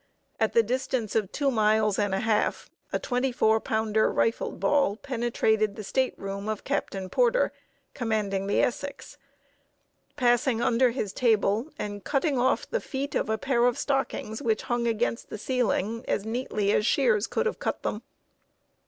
At the distance of two miles and a half, a twenty four pounder rifled ball penetrated the state room of Captain Porter, commanding the Essex, passing under his table, and cutting off the feet of a pair of stockings which hung against the ceiling as neatly as shears would have cut them.